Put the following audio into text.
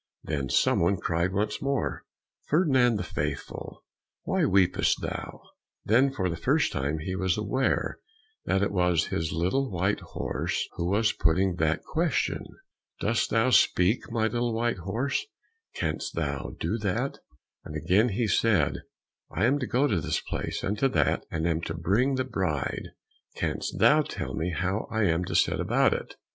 Then some one cried once more, "Ferdinand the Faithful, why weepest thou?" Then for the first time he was aware that it was his little white horse who was putting that question. "Dost thou speak, my little white horse; canst thou do that?" And again, he said, "I am to go to this place and to that, and am to bring the bride; canst thou tell me how I am to set about it?"